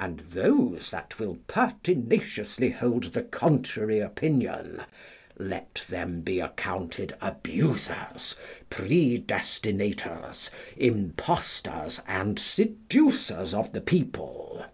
And those that will pertinaciously hold the contrary opinion, let them be accounted abusers, predestinators, impostors, and seducers of the people.